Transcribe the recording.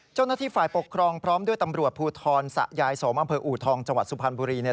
เจ้าหน้าที่ฝ่ายปกครองพร้อมด้วยตำรวจภูทรสะยายสมอำเภออูทองจังหวัดสุพรรณบุรี